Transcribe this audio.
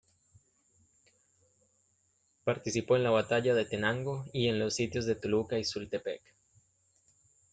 Participó en la batalla de Tenango, y en los sitios de Toluca y Sultepec.